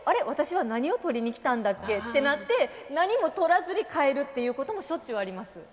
私は何を取りにきたんだっけ？」ってなって何も取らずに帰るっていうこともしょっちゅうあります。